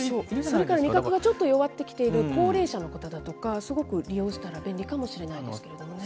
それから味覚がちょっと弱ってきている高齢者の方だとか、すごく利用したら便利かもしれないですけれどもね。